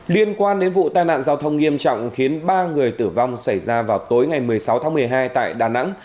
liên quan đến vụ tai nạn giao thông nghiêm trọng khiến ba người tử vong xảy ra vào tối ngày một mươi sáu tháng một mươi hai tại đà nẵng